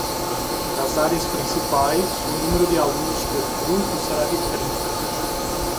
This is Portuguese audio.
Nas áreas principais, o número de alunos por grupo será de trinta.